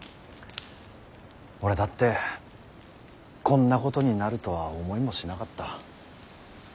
俺だってこんなことになるとは思いもしなかった。